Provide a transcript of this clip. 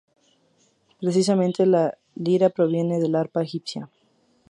Precisamente la lira proviene del arpa egipcia.